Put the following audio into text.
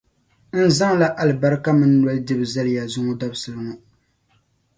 N zaŋla alibarika minii noli dibu zali ya zuŋɔ dabisili ŋɔ.